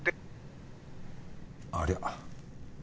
ありゃ？